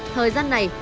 thời gian này